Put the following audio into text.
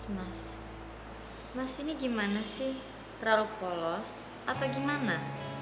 mas mas ini gimana sih terlalu polos atau gimana